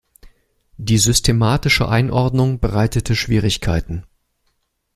Die systematische Einordnung bereitete Schwierigkeiten.